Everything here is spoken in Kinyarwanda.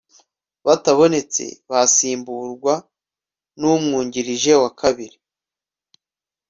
batabonetse basimburwa n umwungirije wa kabiri